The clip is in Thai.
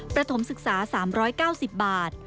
ถมศึกษา๓๙๐บาท